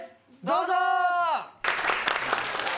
どうぞ！